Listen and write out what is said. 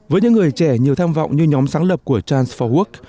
với những người trẻ nhiều tham vọng như nhóm sáng lập của trans bốn work